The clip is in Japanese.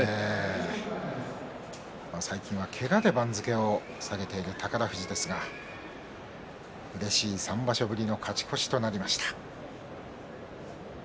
最近は、けがで番付を下げている宝富士ですがうれしい３場所ぶりの勝ち越しとなりました。